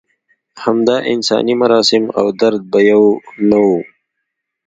همدا انساني مراسم او درد به یو نه و.